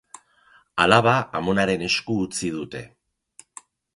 Alaba amonaren esku utzi dute.